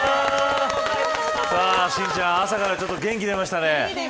心ちゃん朝から元気出ましたね。